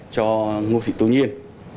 cho ngô thị tố nhiên